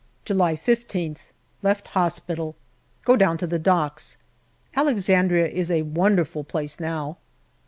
July 15th. Left hospital. Go down to the docks. Alexandria is a wonderful place now.